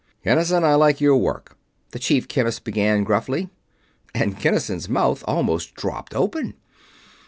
"Kinnison, I like your work," the Chief Chemist began, gruffly, and Kinnison's mouth almost dropped open.